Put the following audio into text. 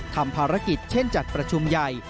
ทำภารกิจเช่นจัดประชุมใหญ่